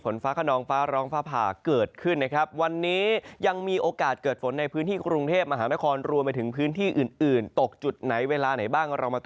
ทางด้านนี้ละให้คุณสูงภาพ